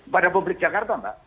pada publik jakarta mbak